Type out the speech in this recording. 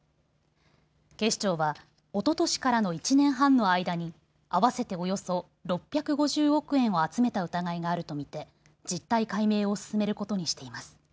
警視庁は、おととしからの１年半の間に合わせておよそ６５０億円を集めた疑いがあると見て実態解明を進めることにしています。